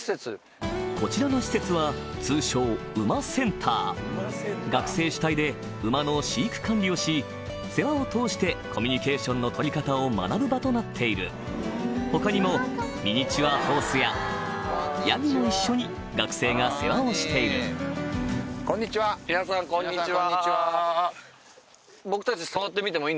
こちらの施設は通称世話を通してコミュニケーションの取り方を学ぶ場となっている他にもミニチュアホースやヤギも一緒に学生が世話をしているみなさんこんにちは。